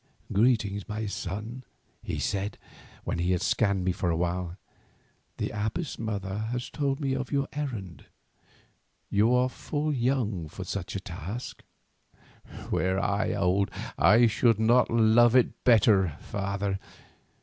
"Greeting, my son," he said, when he had scanned me for a while. "The abbess mother has told me of your errand. You are full young for such a task." "Were I old I should not love it better, father.